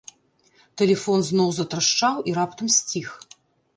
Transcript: Тэлефон зноў затрашчаў і раптам сціх.